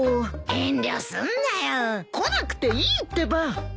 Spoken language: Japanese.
遠慮すんなよ。来なくていいってば！